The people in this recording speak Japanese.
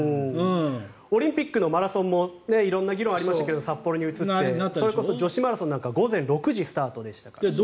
オリンピックのマラソンも色んな議論がありましたが札幌に移ってそれこそ女子マラソンなんかは午前６時スタートでしたからね。